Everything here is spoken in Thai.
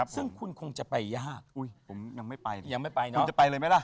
ซึ่งคุณคงจะไปยากผมยังไม่ไปยังไม่ไปนะคุณจะไปเลยไหมล่ะ